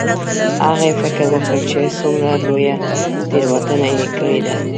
هغې فکر وکړ چې څومره لویه تیروتنه یې کړې ده